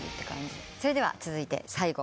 それでは続いて最後。